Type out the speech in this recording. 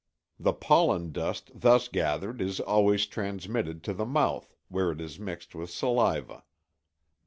The pollen dust thus gathered is always transmitted to the mouth, where it is mixed with saliva.